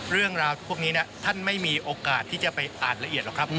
เรื่องราวพวกนี้ท่านไม่มีโอกาสที่จะไปอ่านละเอียดหรอกครับ